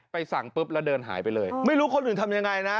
สั่งปุ๊บแล้วเดินหายไปเลยไม่รู้คนอื่นทำยังไงนะ